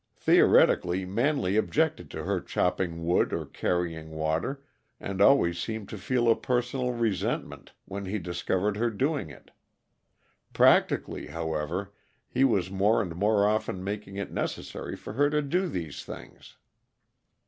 Theoretically, Manley objected to her chopping wood or carrying water, and always seemed to feel a personal resentment when he discovered her doing it. Practically, however, he was more and more often making it necessary for her to do these things.